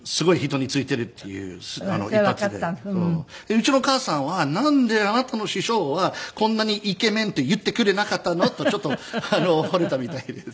うちの母さんは「なんであなたの師匠はこんなにイケメンって言ってくれなかったの」とちょっと惚れたみたいです。